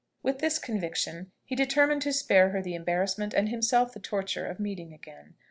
With this conviction, he determined to spare her the embarrassment and himself the torture of meeting again.